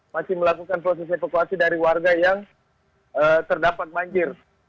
masih melakukan proses evakuasi dari warga yang terdapat banjir